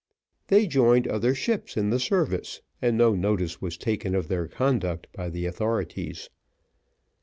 They joined other ships in the service, and no notice was taken of their conduct by the authorities.